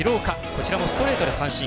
こちらもストレートで三振。